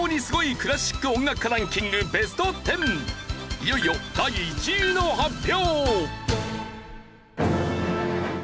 いよいよ第１位の発表！